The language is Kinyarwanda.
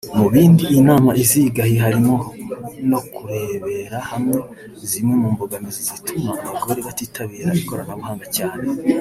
Mu bindi iyi nama izigahi harimo no kurebera hamwe zimwe mu mbogamizi zituma abagore batitabira ikoranabuhanga cyane